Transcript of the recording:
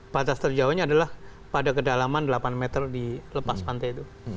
batas terjauhnya adalah pada kedalaman delapan meter di lepas pantai itu